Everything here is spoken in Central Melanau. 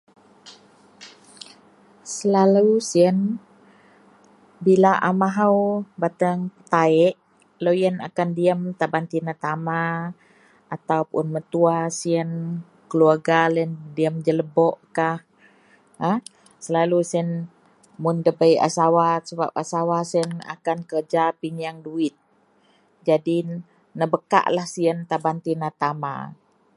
Selalu siyen bila a mahou bateang betaik loyen diyem takan tina-tama atau puon mentua siyen. Keluarga loyen diem gak lebok kah. Selalu siyen mun dabei a sawa. Sebab a sawa siyen akan kerja pinyeng duwit. Jàdi nebekaklah siyen jegum tina-tama.